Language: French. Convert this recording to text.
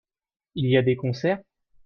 Il y a des concerts ?